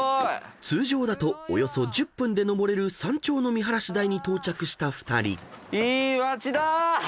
［通常だとおよそ１０分で登れる山頂の見晴らし台に到着した２人］